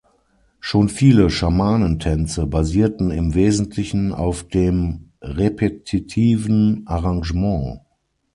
Schon viele Schamanentänze basierten im Wesentlichen auf dem repetitiven Arrangement.